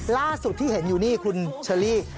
ล่าสุดที่เห็นอยู่นี่คุณเชอรี่